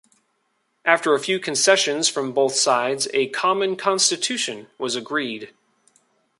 After a few concessions from both sides, a common constitution was agreed.